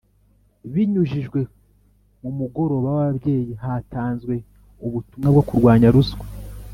Binyujijwe mu Mugoroba w Ababyeyi hatanzwe ubutumwa bwo kurwanya ruswa